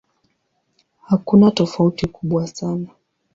Hakuna tofauti kubwa sana.